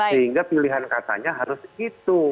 sehingga pilihan katanya harus itu